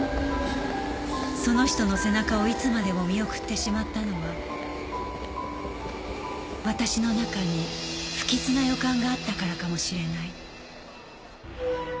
その人の背中をいつまでも見送ってしまったのは私の中に不吉な予感があったからかもしれない